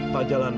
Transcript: pak jalan pak